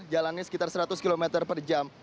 jalannya sekitar seratus km per jam